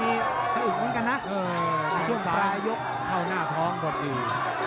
ในช่วงปลายยกเข้าหน้าท้องก่อนที